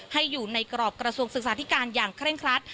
ให้อยู่ในกรอบกระทรวงศึกษาธิการอย่างเคร่งครัด